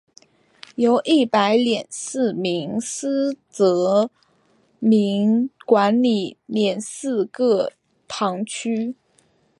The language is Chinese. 由一百廿四名司铎名管理廿四个堂区。